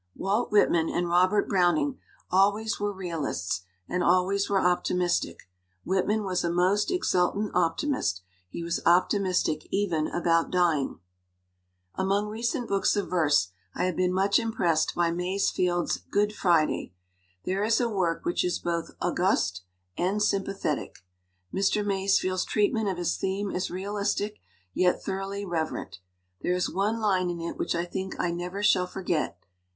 Walt Whitman and Robert Browning always were realists and always were optimistic. Whitman was a most exultant optimist; he was optimistic even about dying. "Among recent books of verse I have been much impressed by Masefield's Good Friday. There is a work which is both august and sym pathetic; Mr. Masefield's treatment of his theme is realistic, yet thoroughly reverent. There is one line in it which I think I never shall forget.